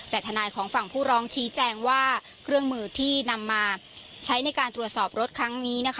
แต่ทนายของฝั่งผู้ร้องชี้แจงว่าเครื่องมือที่นำมาใช้ในการตรวจสอบรถครั้งนี้นะคะ